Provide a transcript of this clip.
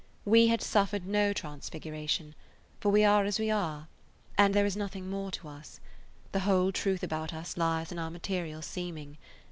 We had suffered no transfiguration, for we are as we are, and [Page 133] there is nothing more to us. The whole truth about us lies in our material seeming.